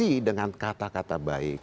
tapi dengan kata kata baik